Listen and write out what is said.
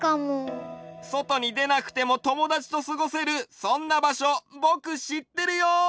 そとにでなくてもともだちとすごせるそんなばしょぼくしってるよ！